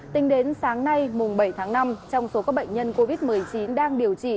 tính đến sáng nay mùng bảy tháng năm trong số các bệnh nhân covid một mươi chín đang điều trị